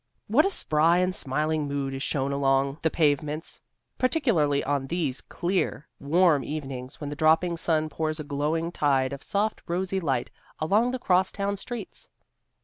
What a spry and smiling mood is shown along the pavements, particularly on these clear, warm evenings when the dropping sun pours a glowing tide of soft rosy light along the cross town streets.